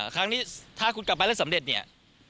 ครั้งนี้ถ้าคุณกลับมาแล้วสำเร็จเนี่ย